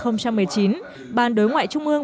năm hai nghìn một mươi chín ban đối ngoại trung ương